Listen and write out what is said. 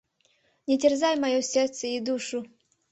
— Не терзай моё сердце и душу!